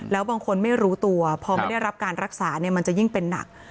แล้วบางคนไม่รู้ตัวพอไม่ได้รับการรักษามันจะยิ่งเป็นหนัก